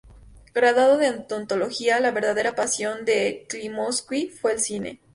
Graduado en Odontología, la verdadera pasión de Klimovsky fue el cine.